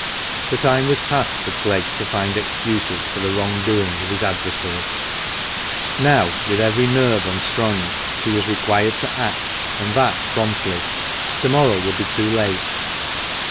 The time was past for Clegg to find excuses for the wrong doing of his adversary 350 THE MANCHESTER MAN. Now, with every nerve unstrung, he was required to act, and that promptly. To morrow would be too late.